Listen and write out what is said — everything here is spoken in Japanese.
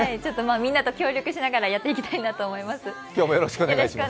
みんなと協力しながらやっていきたいと思います。